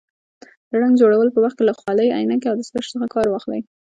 د رنګ جوړولو په وخت کې له خولۍ، عینکې او دستکشو څخه کار واخلئ.